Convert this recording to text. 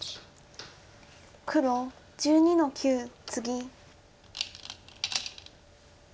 黒１２の九ツギ。